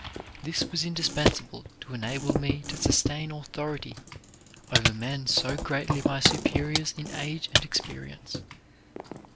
This was indispensable to enable me to sustain authority over men so greatly my superiors in age and experience.